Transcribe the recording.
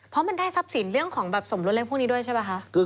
เพราะมันได้ทรัพย์สินเรื่องของสมรวดเลี้ยงพวกนี้ด้วยใช่ไหมครับ